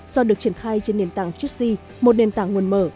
do được triển khai trên nền tảng chussy một nền tảng nguồn mở